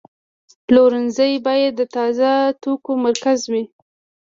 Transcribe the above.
پلورنځی باید د تازه توکو مرکز وي.